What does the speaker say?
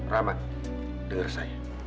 ramah denger saya